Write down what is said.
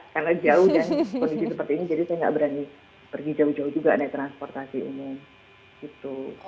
karena jauh dan kondisi seperti ini jadi saya gak berani pergi jauh jauh juga transportasi umum